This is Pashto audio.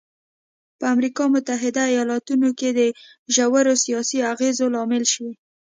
په امریکا متحده ایالتونو کې د ژورو سیاسي اغېزو لامل شوی.